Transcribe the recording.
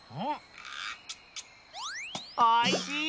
おいしい！